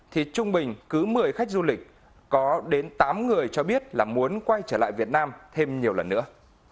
thì trung bình cứ một mươi khách du lịch có đến tám người cho biết là muốn quay trở lại việt nam thêm nhiều lần nữa